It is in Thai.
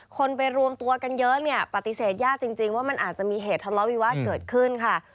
คนไปรวมตัวกันเยอะเนี่ยปฏิเสธยากจริงว่ามันอาจจะมีเหตุทะเลาวิวาสเกิดขึ้นค่ะ